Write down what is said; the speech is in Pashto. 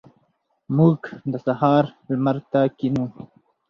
موږ د سهار لمر ته کښینو.